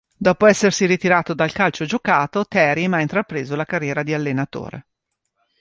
Dopo essersi ritirato dal calcio giocato, Terim ha intrapreso la carriera di allenatore.